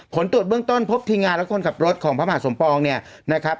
ผลตรวจเบื้องต้นพบทีมงานและคนขับรถของพระมหาสมปองเนี่ยนะครับ